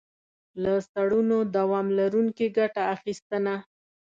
له څړونو دوام لرونکي ګټه اخیستنه.